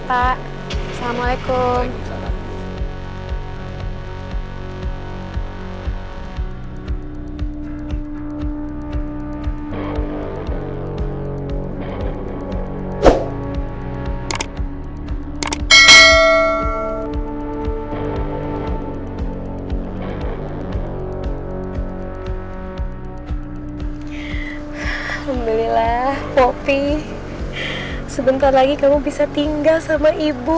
hai membelilah popi sebentar lagi kamu bisa tinggal sama ibu